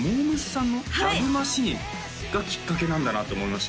さんの「ＬＯＶＥマシーン」がきっかけなんだなと思いました